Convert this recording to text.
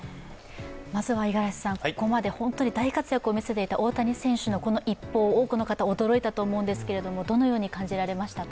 まずはここまで本当に大活躍を見せていた大谷選手のこの一報、多くの方、驚いたと思いますが、どのように感じましたか？